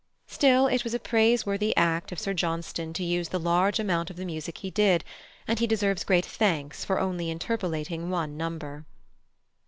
Still, it was a praise worthy act of Sir Johnston to use the large amount of the music he did, and he deserves great thanks for only interpolating one number.